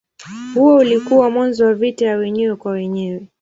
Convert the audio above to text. Huo ulikuwa mwanzo wa vita ya wenyewe kwa wenyewe.